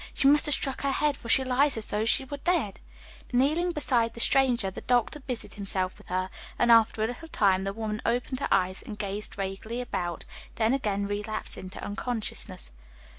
She must have struck her head, for she lies as though she were dead." Kneeling beside the stranger, the doctor busied himself with her, and after a little time the woman opened her eyes and gazed vaguely about, then again relapsed into unconsciousness.